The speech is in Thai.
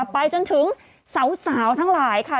ไปจนถึงสาวทั้งหลายค่ะ